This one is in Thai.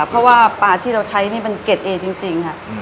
เพราะว่าปลาที่เราใช้นี่มันเก็ดเอจริงค่ะ